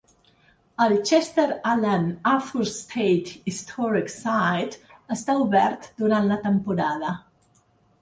El "Chester Alan Arthur State Historic Site" està obert durant la temporada.